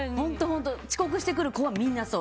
遅刻してくる子はみんなそう。